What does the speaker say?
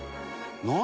「何？